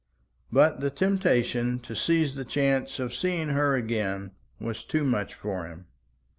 But the temptation to seize the chance of seeing her again was too much for him.